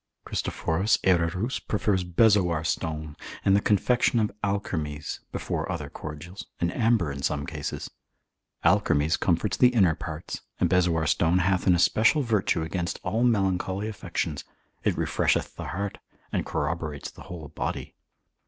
Christophorus Ayrerus prefers bezoar stone, and the confection of alkermes, before other cordials, and amber in some cases. Alkermes comforts the inner parts; and bezoar stone hath an especial virtue against all melancholy affections, it refresheth the heart, and corroborates the whole body.